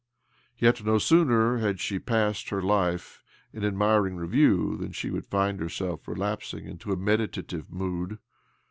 Yet, no sooner had she passed her life in admiring review than she would find herself relapsing into a meditative mood.